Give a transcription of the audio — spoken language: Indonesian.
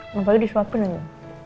ngapain disuapin ini